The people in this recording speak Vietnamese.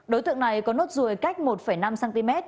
đối tượng này có nốt ruồi cách một năm cm